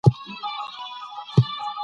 سالم بدن د صحي ذهن او ګډو اړیکو اساس دی.